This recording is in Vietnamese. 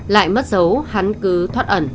lại mất dấu hắn cứ thoát ẩn